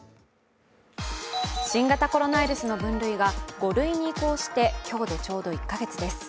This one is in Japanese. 新型コロナウイルスの分類が５類に移行して、今日でちょうど１か月です。